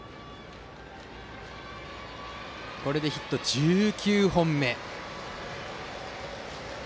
これでヒットは１９本目。